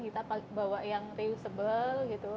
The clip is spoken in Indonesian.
kita bawa yang reusable gitu